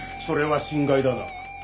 それは心外だな。